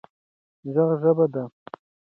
ږغ ژبه ده